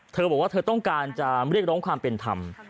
เธอบอกว่าเธอต้องการจะเรียกร้องความเป็นธรรม